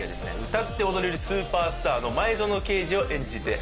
歌って踊れるスーパースターの前園ケイジを演じております。